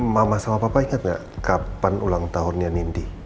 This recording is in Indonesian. mama sama papa ingat gak kapan ulang tahunnya nindi